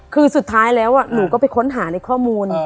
คือสุดท้ายแล้วหนูก็ไปค้นหาในข้อมูล